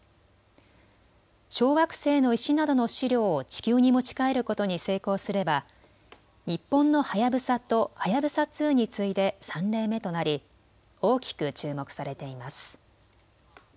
小惑星の石などの試料を地球に持ち帰ることに成功すれば日本のはやぶさとはやぶさ２に次いで３例目となり大きく注目されています。